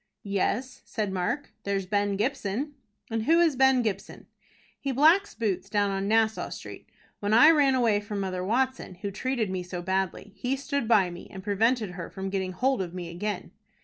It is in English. "Yes," said Mark; "there's Ben Gibson." "And who is Ben Gibson?" "He blacks boots down on Nassau Street. When I ran away from Mother Watson, who treated me so badly, he stood by me, and prevented her from getting hold of me again."